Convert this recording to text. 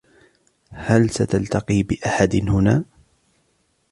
هل ستلتقي بأحد هنا ؟